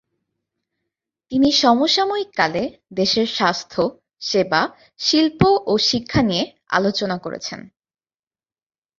তিনি সমসাময়িক কালে দেশের স্বাস্থ্য, সেবা, শিল্প ও শিক্ষা নিয়ে আলোচনা করেছেন।